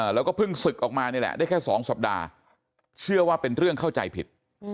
แล้วก็เพิ่งศึกออกมานี่แหละได้แค่๒สัปดาห์เชื่อว่าเป็นเรื่องเข้าใจผิด